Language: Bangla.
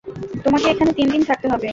তোমাকে এখানে তিনদিন থাকতে হবে।